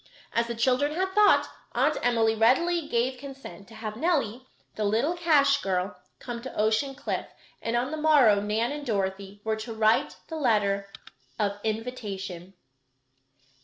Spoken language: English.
As the children had thought, Aunt Emily readily gave consent to have Nellie, the little cash girl, come to Ocean Cliff, and on the morrow Nan and Dorothy were to write the letter of invitation.